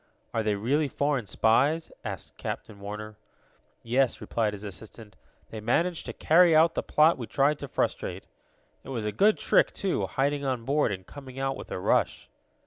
"Are they really foreign spies?" asked Captain Warner. "Yes," replied his assistant. "They managed to carry out the plot we tried to frustrate. It was a good trick, too, hiding on board, and coming out with a rush."